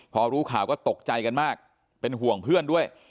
พอรู้ข่าวก็ตกใจกันมากเป็นห่วงเพื่อนด้วย